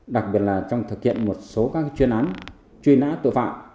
đặc biệt là trong thực hiện một số các chuyên án truy nã tội phạm